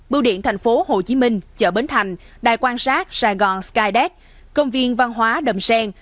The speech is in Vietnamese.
bưu điện tp hcm chợ bến thành đài quan sát sài gòn skydeck công viên văn hóa đầm seng